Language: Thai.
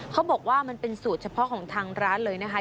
เขาบอกว่ามันเป็นสูตรเฉพาะของทางร้านเลยนะคะ